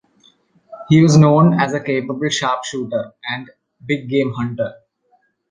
He was known as a capable sharpshooter and big game hunter.